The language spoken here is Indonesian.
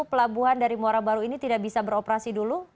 pelabuhan dari muara baru ini tidak bisa beroperasi dulu